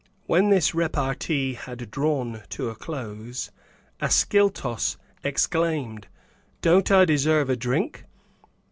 When this repartee had drawn to a close, Ascyltos exclaimed, "Don't I deserve a drink?"